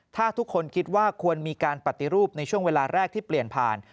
ถ้าทุกคนคิดว่าควรมีการปฏิรูปในช่วงเวลาแรกที่เปลี่ยนผ่าน